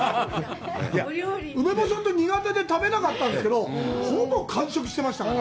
梅干し苦手で食べなかったんですけど、ほぼ完食してましたから！